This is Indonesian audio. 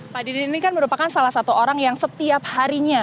pak didin ini kan merupakan salah satu orang yang setiap harinya